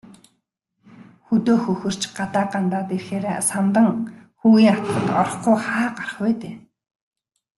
Хөдөө хөхөрч, гадаа гандаад ирэхээрээ Самдан хүүгийн атгад орохгүй хаа гарах вэ дээ.